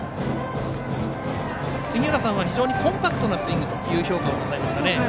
杉浦さんは非常にコンパクトなスイングという評価でしたね。